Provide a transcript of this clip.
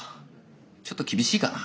ちょっと厳しいかな。